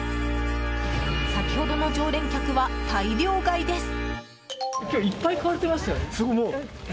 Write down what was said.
先ほどの常連客は大量買いです。